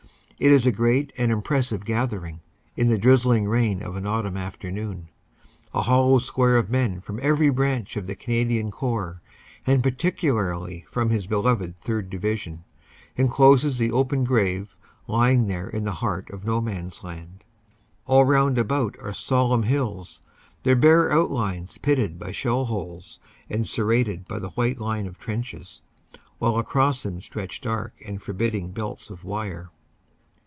It is a great and impressive gathering, in the drizzling rain of an autumn afternoon. A hollow square of men from every branch of the Canadian Corps, and particularly from his be loved 3rd. Division, encloses the open grave, lying there in the heart of No Man s Land. All round about are sombre hills, ( their bare outlines pitted by shell holes and serrated by the white line of trenches, while across them stretch dark and forbidding belts of wire.